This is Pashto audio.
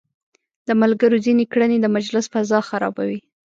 د ملګرو ځينې کړنې د مجلس فضا خرابوي.